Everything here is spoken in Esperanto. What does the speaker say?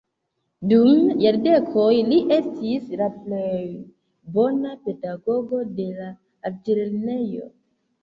Dum jardekoj li estis la plej bona pedagogo de la altlernejo.